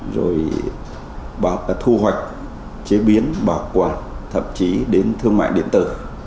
rồi thu hoạch chế biến bảo quản thậm chí đến thương mại điện tử